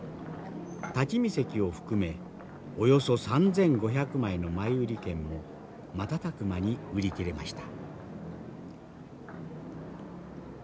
立ち見席を含めおよそ３，５００枚の前売券も瞬く間に売り切れました。